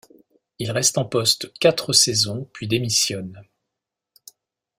Il reste en poste quatre saisons puis démissionne.